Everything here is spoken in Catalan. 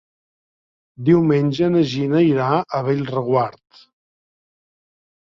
Diumenge na Gina irà a Bellreguard.